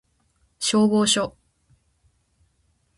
消防署